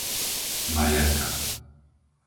Majerka